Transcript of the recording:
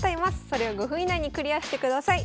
それを５分以内にクリアしてください。